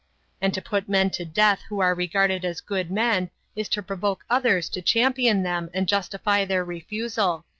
And to put men to death who are regarded as good men is to provoke others to champion them and justify their refusal.